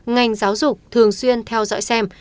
ngành giáo dục thường xuyên theo dõi xem